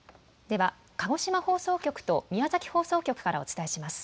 では、鹿児島放送局と宮崎放送局からお伝えします。